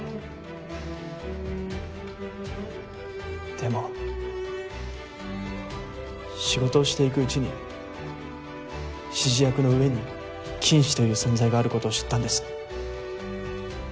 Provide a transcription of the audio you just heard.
でも仕事をしていくうちに指示役の上に「金主」という存在があることを知ったんです。